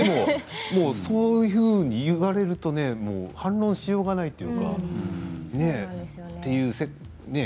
そういうふうに言われると反論のしようはないっていうね